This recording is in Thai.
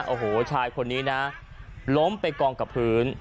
โอ้โหชายคนนี้นะล้มไปกองกับพื้น